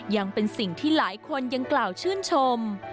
ยังเป็นสิ่งที่หลายคนยังกล่าวชื่นชม